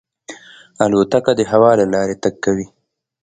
الوتکه د هوا له لارې تګ کوي.